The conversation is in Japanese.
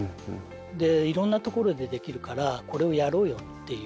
でいろんなところでできるからこれをやろうよっていう。